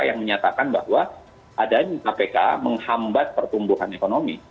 yang menyatakan bahwa adanya kpk menghambat pertumbuhan ekonomi